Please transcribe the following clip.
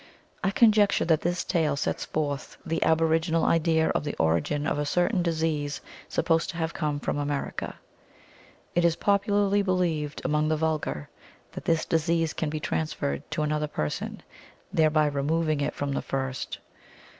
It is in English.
I conjecture that this tale sets forth the aboriginal idea of the origin of a certain disease supposed to have come from America. It is popularly believed among the vulgar that this disease can be transferred to another person, thereby removing it from the first.